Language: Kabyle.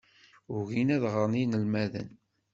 Ugin ad ɣren yinelmaden.